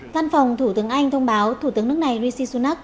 văn phòng thủ tướng anh thông báo thủ tướng nước này rishi sunak